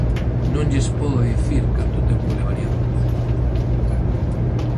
Non lles podo decir canto tempo levaría dormido